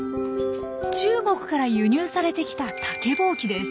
中国から輸入されてきた竹ぼうきです。